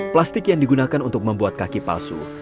plastik yang digunakan untuk membuat kaki palsu